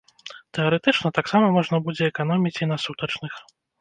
Тэарэтычна, таксама можна будзе эканоміць і на сутачных.